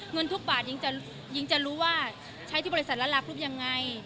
เงินทุกบาทยิ่งจะรู้ว่าใช้ที่บริษัทละลับยังไง